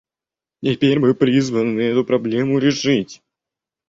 Теперь мы призваны эту проблему решить.